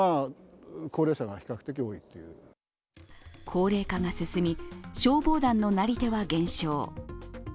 高齢化が進み、消防団のなり手は減少。